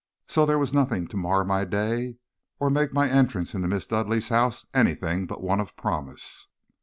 So there was nothing to mar my day or make my entrance into Miss Dudleigh's house anything but one of promise.